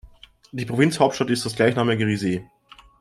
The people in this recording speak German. Die Provinzhauptstadt ist das gleichnamige Rize.